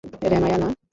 রাম্যায়া, না!